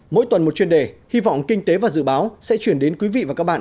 mỗi tuần một chuyên đề hy vọng kinh tế và dự báo sẽ chuyển đến quý vị và các bạn